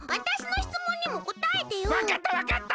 わかったわかった。